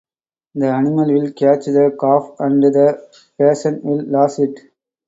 The animal will catch the cough and the patient will lose it.